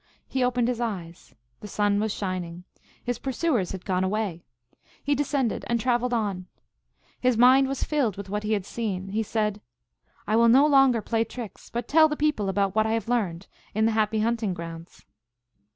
He opened his eyes. The sun was shining. His pursuers had gone away. He descended and traveled on. His mind was filled with what he had seen. He said, " I will no longer play tricks, but tell the people about what I learned in the happy hunting grounds."